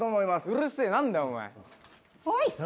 うるせえ何だよお前おい